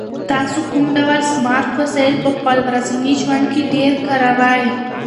تاسو کوم ډول سمارټ وسایل په خپل ورځني ژوند کې ډېر کاروئ؟